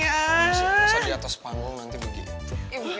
bisa di atas panggung nanti begitu